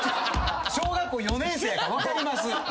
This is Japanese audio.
小学校４年生やから分かります。